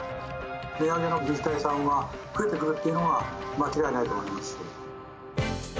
値上げの自治体さんが増えてくるっていうのは間違いないと思います。